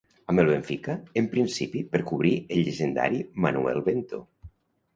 Amb el Benfica, en principi per cobrir el llegendari Manuel Bento.